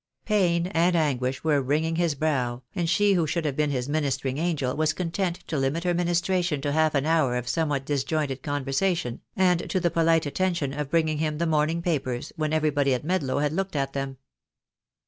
Pain and anguish were wringing his brow, and she who should have been his ministering angel was content to limit her ministration to half an hour of somewhat disjointed conversation, and to the polite attention of bringing him the morning papers, when everybody at Medlow had looked at them.